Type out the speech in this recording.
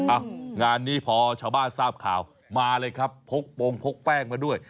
งานนี้พอชาวบ้านทราบข่าวมาเลยครับพกโปรงพกแป้งมาด้วย